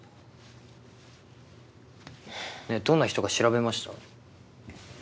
どんな人か調べました？